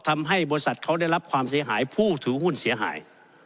ทำให้บริษัทเขาได้รับความเสียหายผู้ถือหุ้นเสียหาย